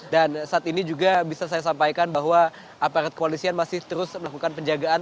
dan saat ini juga bisa saya sampaikan bahwa aparat koalisian masih terus melakukan penjagaan